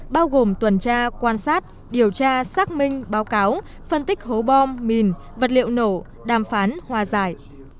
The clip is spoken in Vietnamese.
bao gồm tuần tra quan sát điều tra xác minh báo cáo phân tích hố bom mìn vật liệu nổ đàm phán hòa giải